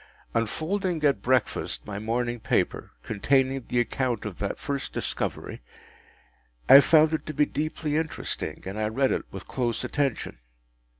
Unfolding at breakfast my morning paper, containing the account of that first discovery, I found it to be deeply interesting, and I read it with close attention.